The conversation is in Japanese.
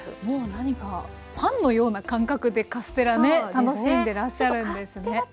もうなにかパンのような感覚でカステラね楽しんでらっしゃるんですね。